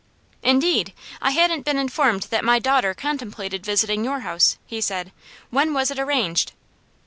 "Indeed! I hadn't been informed that my daughter contemplated visiting your house," he said. "When was it arranged?"